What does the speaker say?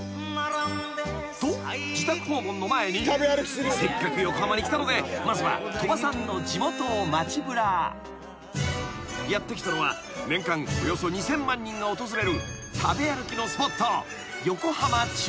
［と自宅訪問の前にせっかく横浜に来たのでまずは鳥羽さんの地元を街ぶら］［やって来たのは年間およそ２，０００万人が訪れる食べ歩きのスポット］